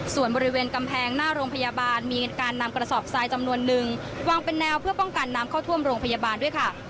ส่วนบริเวณกำแพงหน้าโรงพยาบาลมีการนำกระสอบทรายจำนวนนึงวางเป็นแนวเพื่อป้องกันน้ำเข้าท่วมโรงพยาบาลด้วยค่ะ